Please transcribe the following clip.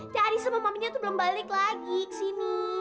cari sama maminya tuh belum balik lagi kesini